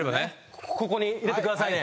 ここに入れてくださいね。